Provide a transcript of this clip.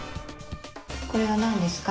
これはなんですか？